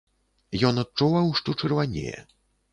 Ён адчуваў, што чырванее.